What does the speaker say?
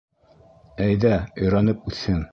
— Әйҙә, өйрәнеп үҫһен.